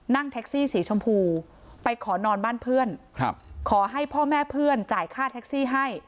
นั่งแท็กซี่สีชมพูไปขอนอนบ้านเพื่อนขอให้พ่อแม่เพื่อนจ่ายค่าแท็กซี่ให้